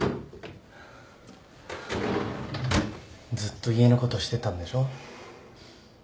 ずっと家のことしてたんでしょ？